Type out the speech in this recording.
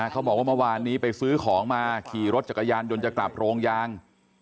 เขาบอกว่าเมื่อวานนี้ไปซื้อของมาขี่รถจักรยานยนต์จะกลับโรงยาง